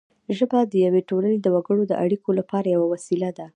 ژبه د یوې ټولنې د وګړو د اړیکو لپاره یوه وسیله ده